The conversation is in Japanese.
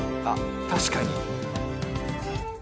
確かに。